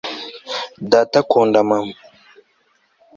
data akunda mama